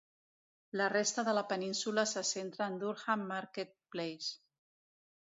La resta de la península se centra en Durham Market Place.